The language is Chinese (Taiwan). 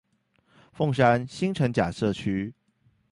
鳳山新城甲社區